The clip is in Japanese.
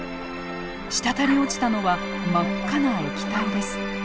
滴り落ちたのは真っ赤な液体です。